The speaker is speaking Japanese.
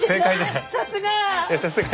さすが。